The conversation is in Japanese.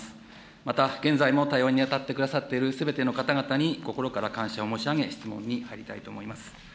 また現在も対応に当たってくださっているすべての方々に心から感謝を申し上げ、質問に入りたいと思います。